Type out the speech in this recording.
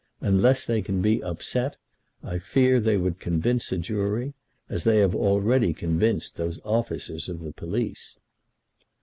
Unless they can be upset, I fear they would convince a jury, as they have already convinced those officers of the police."